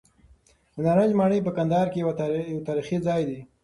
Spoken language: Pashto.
د نارنج ماڼۍ په کندهار کې یو تاریخي ځای دی.